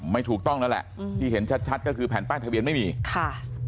ไม่ถูกต้องแล้วแหละอืมที่เห็นชัดชัดก็คือแผ่นป้ายทะเบียนไม่มีค่ะ